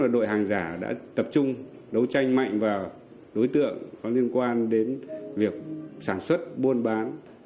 đội hàng giả đã tập trung đấu tranh mạnh vào đối tượng có liên quan đến việc sản xuất buôn bán